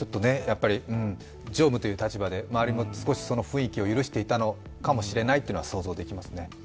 常務という立場で、周りもその雰囲気を許していたのかもしれないというのは想像できますね。